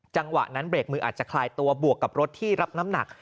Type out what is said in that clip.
จังหวะนั้นเบรกมืออาจจะคลายตัวบวกกับรถที่รับน้ำหนัก